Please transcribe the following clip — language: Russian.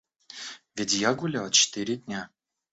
Ведь я гулял четыре дня!